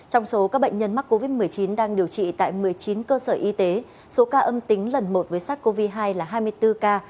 trong số các bệnh nhân mắc covid một mươi chín đang điều trị tại một mươi chín cơ sở y tế số ca âm tính lần một với sars cov hai là hai mươi bốn ca